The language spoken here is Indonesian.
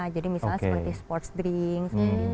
jadi misalnya seperti sports drink